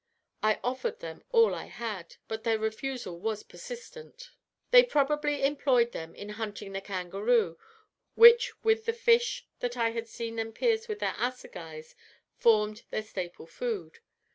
I offered them all I had, but their refusal was persistent. They probably employed them in hunting the kangaroo, which, with the fish that I had seen them pierce with their assegais, formed their staple food.